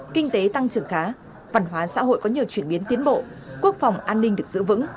kinh tế tăng trưởng khá văn hóa xã hội có nhiều chuyển biến tiến bộ quốc phòng an ninh được giữ vững